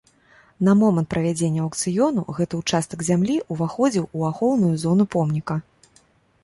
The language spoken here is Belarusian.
На момант правядзення аўкцыёну гэты ўчастак зямлі ўваходзіў у ахоўную зону помніка.